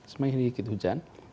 semakin sedikit hujan